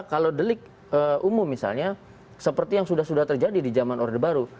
kalau delik umum misalnya seperti yang sudah sudah terjadi di zaman orde baru